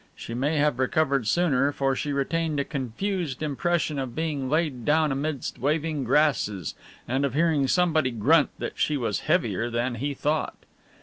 She may have recovered sooner, for she retained a confused impression of being laid down amidst waving grasses and of hearing somebody grunt that she was heavier than he thought.